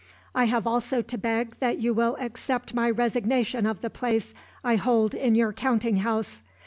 "I have also to beg that you will accept my resignation of the place I hold in your counting house.